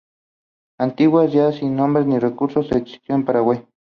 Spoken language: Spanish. Artigas, ya sin hombres ni recursos, se exilió en Paraguay.